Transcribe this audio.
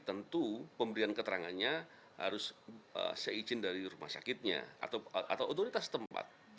tentu pemberian keterangannya harus seizin dari rumah sakitnya atau otoritas tempat